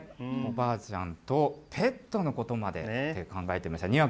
おばあちゃんとペットのことまで考えてました。